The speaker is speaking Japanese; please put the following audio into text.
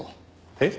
えっ？